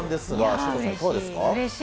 潮田さん、いかがですか。